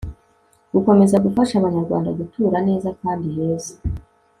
gukomeza gufasha abanyarwanda gutura neza kandi heza